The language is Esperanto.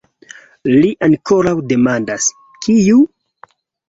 Li ankoraŭ demandas: kiu?